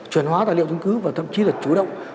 truyền hóa tài liệu chứng cứ và thậm chí là chủ động